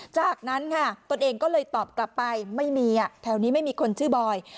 จากนั้นค่ะตนเองก็เลยตอบกลับไปไม่มีแถวนี้ไม่มีคนชื่อบอย